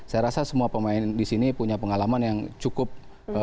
saya rasa semua pemain di sini punya pengalaman yang cukup